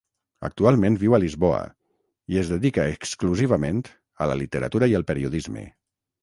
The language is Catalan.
Actualment viu a Lisboa i es dedica exclusivament a la literatura i al periodisme.